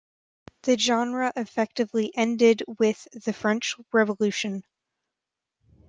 The genre effectively ended with the French Revolution.